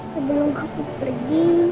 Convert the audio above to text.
sebelum aku pergi